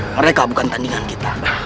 mereka bukan tandingan kita